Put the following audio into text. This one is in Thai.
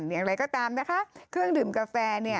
อย่างไรก็ตามนะคะเครื่องดื่มกาแฟเนี่ย